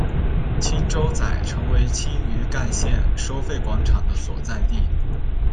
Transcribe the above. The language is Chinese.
青洲仔成为青屿干线收费广场的所在地。